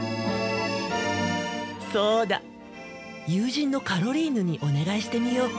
そうだ友人のカロリーヌにお願いしてみよう。